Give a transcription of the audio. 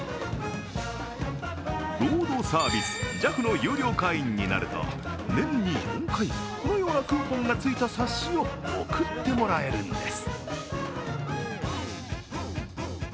ロードサービス、ＪＡＦの有料会員になると年に４回、このようなクーポンが付いた冊子を送ってもらえるんです。